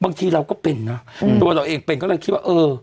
บางทีเราก็เป็นตัวตัวเองก็เป็นเขาเข้าหลังคิดว่าเออ